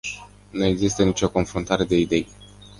Nu există nicio confruntare de idei.